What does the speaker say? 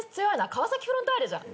川崎フロンターレじゃん。